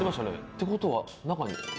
ってことは中に。